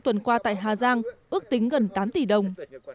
tuần qua tại hà giang ước tính gần tám tỷ đồng